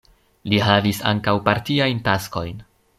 Li havis ankaŭ partiajn taskojn.